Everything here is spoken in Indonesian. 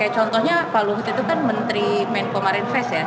contohnya pak alwud itu kan menteri pemar invest ya